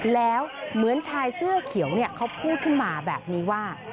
แล้วเหมือนชายเสื้อเขียวเขาพูดขึ้นมาแบบนี้ว่า